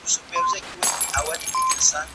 کمپيوټر پوهنه بايد په ټولو ښوونځیو کي تدریس شي.